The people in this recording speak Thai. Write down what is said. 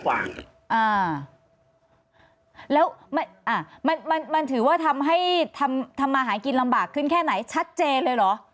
อ่าแล้วมันมันถือว่าทำให้ทำมาหากินลำบากขึ้นแค่ไหนชัดเจนเลยเหรอ